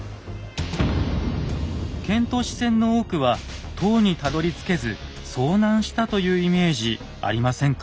遣唐使船の多くは唐にたどりつけず遭難したというイメージありませんか？